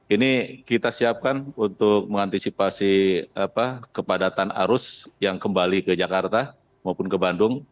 ini kita siapkan untuk mengantisipasi kepadatan arus yang kembali ke jakarta maupun ke bandung